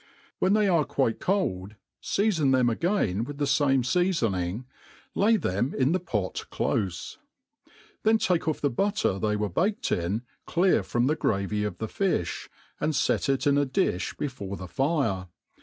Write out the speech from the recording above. When they are quite cold, feafon them again with the fame feafon* ing, lay thein in the pot clofe ; then take oiF the butter they were baked in clear from the gravy of the fifb, and fet it in a difh before the fire.